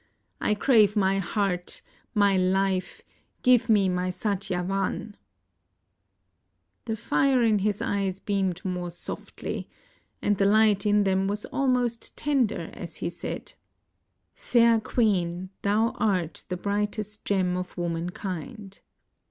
I crave my heart, my life — give me my Satyavan !" The fire in his eyes beamed more softly, and the light in them was almost tender as he said: " Fair queen, thou art the brightest gem of womankind.